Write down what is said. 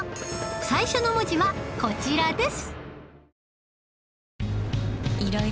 最初の文字はこちらです